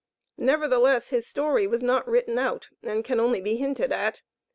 Nevertheless his story was not written out, and can only be hinted at.